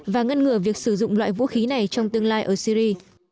và ngăn ngừa việc sử dụng loại vũ khí này trong tương lai ở syri